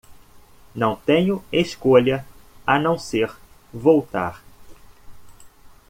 Não tenho escolha a não ser voltar.